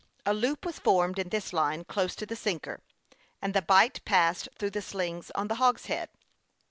A loop was formed in this line, close to the sinker, and the bight passed through the slings on the hogshead.